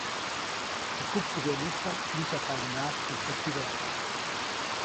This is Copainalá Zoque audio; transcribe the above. Teʼ kupkubyäʼnistaʼm ʼyĩsyajpaʼunhnaʼajk teʼ tsäkidaʼm.